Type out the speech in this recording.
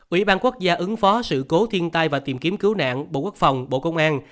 ủy ban quốc gia ứng phó sự cố thiên tai và tìm kiếm cứu nạn bộ quốc phòng bộ công an